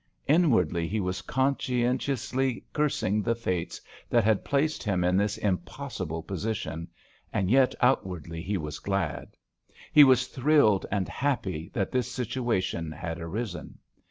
Inwardly he was conscientiously cursing the Fates that had placed him in this impossible position—and yet outwardly he was glad. He was thrilled and happy that this situation had arisen.